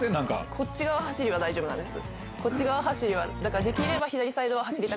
こっち側走りは大丈夫です。